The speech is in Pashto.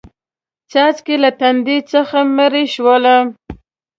څاڅکې له تندې څخه مړه شوله